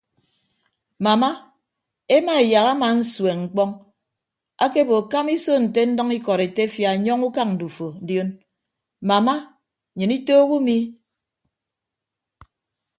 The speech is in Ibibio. Mama emaeyak ama nsueñ mkpọñ akebo kama iso nte nnʌñ ikọd etefia nyọñ ukañ ndufo ndion mama nnyịn itoho umi.